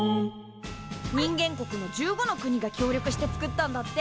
人間国の１５の国が協力してつくったんだって。